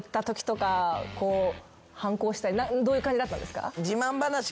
どういう感じだったんですか？